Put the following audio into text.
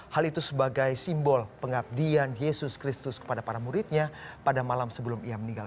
hal itu sebagai simbol pengabdian yesus kristus kepada para muridnya pada malam sebelum ia meninggal